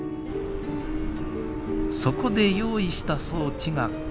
そこで用意した装置がこちら。